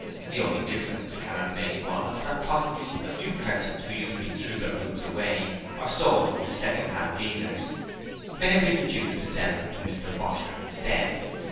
The only difference It can have made was that possibly a few persons who usually threw their boots away or sold them to second hand dealers may have been induced to send them to Mr Bosher instead.